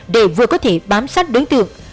để vừa có thể bám sát đối tượng